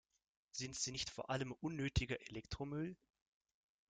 Sind sie nicht vor allem unnötiger Elektromüll?